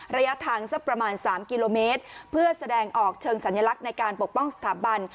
ระยะทางสักประมาณ๓กิโลเมตรเพื่อแสดงออกเชิงสัญลักษณ์ในการปกป้องสถาบัน